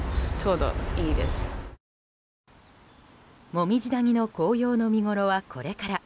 もみじ谷の紅葉の見ごろはこれから。